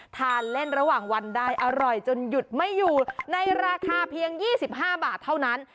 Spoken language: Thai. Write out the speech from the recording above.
ทานเล่นระหว่างวันได้อร่อยจนหยุดไม่อยู่ในราคาเพียง๒๕บาทเท่านั้น